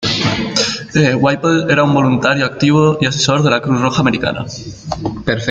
Whipple era un voluntario activo y asesor de la Cruz Roja Americana.